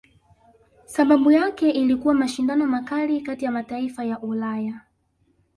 Sababu yake ilikuwa mashindano makali kati ya mataifa ya Ulaya